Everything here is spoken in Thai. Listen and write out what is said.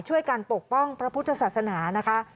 การปกป้องพระพุทธศาสนานะคะ